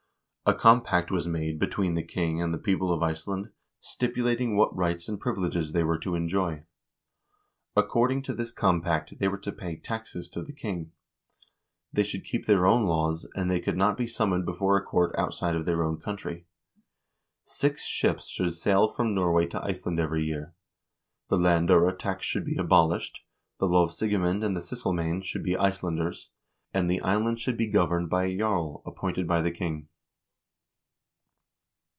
A compact was made between the king and the people of Iceland stipulating what rights and privileges they were to enjoy. According to this compact they were to pay taxes to the king. They should keep their own laws, and they could not be summoned before a court outside of their own country. Six ships should sail from Norway to Iceland every year; the land^re tax should be abolished, the lovsigemand and the sysselmcend should be Icelanders, and the island should be governed by a jarl appointed by the king.